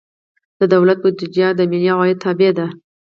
د دولت بودیجه د ملي عوایدو تابع ده.